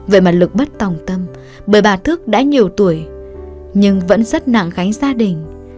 về mặt lực bất tòng tâm bởi bà thức đã nhiều tuổi nhưng vẫn rất nặng gánh gia đình